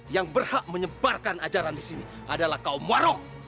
yang berhak menyebarkan ajaran di sini adalah kaum warok